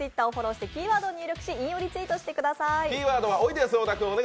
キーワードはおいでやす小田さん。